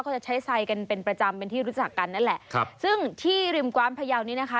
จะใช้ไซดกันเป็นประจำเป็นที่รู้จักกันนั่นแหละครับซึ่งที่ริมกว้านพยาวนี้นะคะ